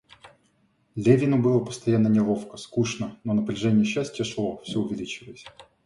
Левину было постоянно неловко, скучно, но напряжение счастья шло, всё увеличиваясь.